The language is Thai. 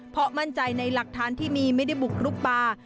เพราะมั่นใจในหลักฐานที่มีไม่ได้บุกรุกป่า